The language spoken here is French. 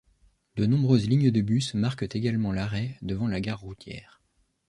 De nombreuses lignes de bus marquent également l'arrêt devant la gare routière.